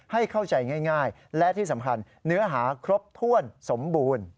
ให้เข้าใจง่ายและที่สำคัญเนื้อหาครบถ้วนสมบูรณ์